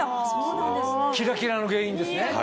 キラキラの原因ですね。